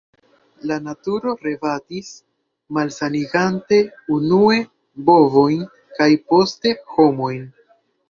La “naturo rebatis, malsanigante unue bovojn kaj poste homojn.